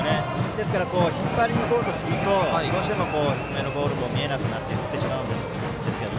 ですから、引っ張ろうとするとどうしても低めのボールも見えなくなって振ってしまうんですけど。